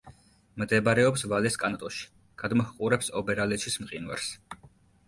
მდებარეობს ვალეს კანტონში; გადმოჰყურებს ობერალეჩის მყინვარს.